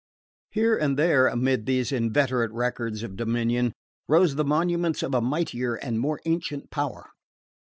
Here and there, amid these inveterate records of dominion, rose the monuments of a mightier and more ancient power.